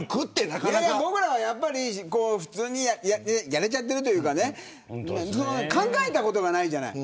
僕らはやっぱり普通にやれちゃっているというか考えたことがないじゃない。